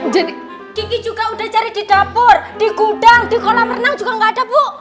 jadi kiki juga udah cari di dapur di kudang di kolam renang juga nggak ada bu